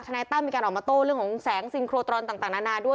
นายตั้มมีการออกมาโต้เรื่องของแสงซิงโครตรอนต่างนานาด้วย